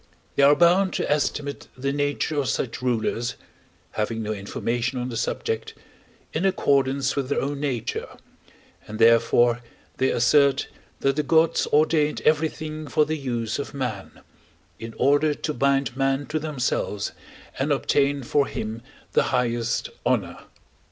They are bound to estimate the nature of such rulers (having no information on the subject) in accordance with their own nature, and therefore they assert that the gods ordained everything for the use of man, in order to bind man to themselves and obtain from him the highest honor.